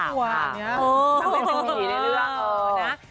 ต้องเป็นสิ่งที่ได้เลือก